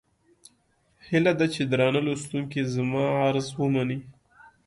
هيله ده چې درانه لوستونکي زما عرض ومني.